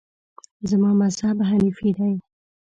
زما مذهب حنیفي دی.